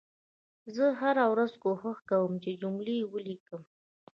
زه هره ورځ کوښښ کوم چې جملې ولیکم